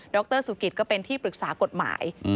รสุกิตก็เป็นที่ปรึกษากฎหมาย